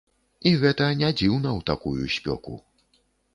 І гэта не дзіўна ў такую спёку!